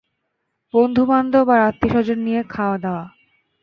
বন্ধু-বান্ধব আর আত্মীয় স্বজন নিয়ে খাওয়া দাওয়া।